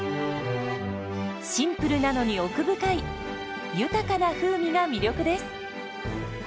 シンプルなのに奥深い豊かな風味が魅力です。